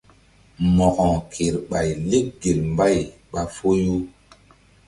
Mo̧ko kerɓay lek gel mbay ɓa foyu.